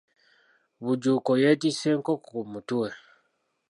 Bujuuko yetiise enkoko ku mutwe.